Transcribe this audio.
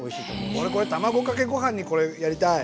俺これ卵かけご飯にこれやりたい！